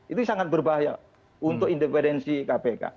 itu sangat berbahaya untuk independensi kpk